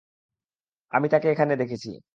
আমি তাকে এখানে দেখেছি।